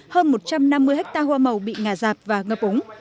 hơn một trăm năm mươi ha hoa màu bị ngả giạp và ngập ống